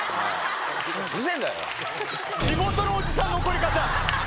地元のおじさんの怒り方。